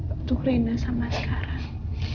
untuk rena sama sekarang